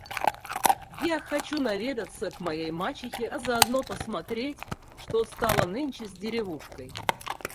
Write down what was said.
Я хочу наведаться к моей мачехе, а заодно посмотреть, что стало нынче с деревушкой.